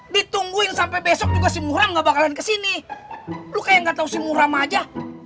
ditungguin sampai besok juga sih murah nggak bakalan kesini lu kayak nggak tahu si muram aja